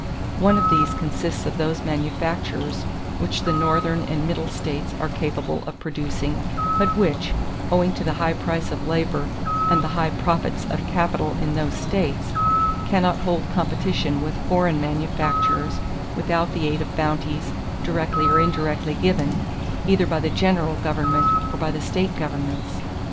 One of these consists of those manufactures which the Northern and Middle states are capable of producing but which, owing to the high price of labor and the high profits of capital in those states, cannot hold competition with foreign manufactures without the aid of bounties, directly or indirectly given, either by the general government or by the state governments.